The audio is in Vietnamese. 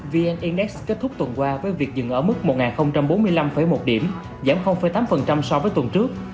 vn index kết thúc tuần qua với việc dừng ở mức một bốn mươi năm một điểm giảm tám so với tuần trước